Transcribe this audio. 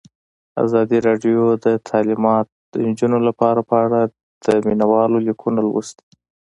ازادي راډیو د تعلیمات د نجونو لپاره په اړه د مینه والو لیکونه لوستي.